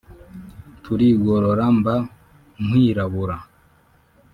turigorora mba nkwirabura